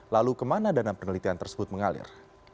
lalu kemana dana penelitian tersebut mengalir